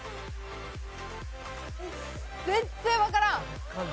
全っ然わからん！